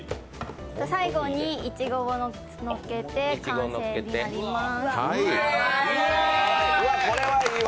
最後にいちごをのっけて完成になります。